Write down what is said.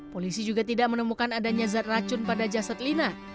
polisi juga tidak menemukan adanya zat racun pada jasad lina